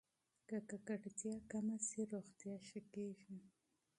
که ککړتیا کمه شي، روغتیا ښه کېږي.